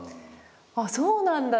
ああそうなんだ！